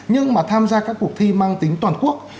nhưng mà tham gia các cuộc thi mang tính toàn quốc